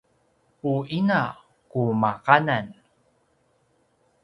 u ina qumaqanan